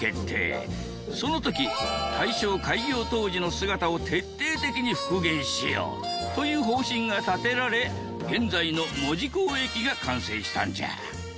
その時大正開業当時の姿を徹底的に復原しようという方針が立てられ現在の門司港駅が完成したんじゃ。